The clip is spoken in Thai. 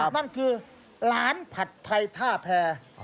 นั่นคือร้านผัดไทยท่าแพร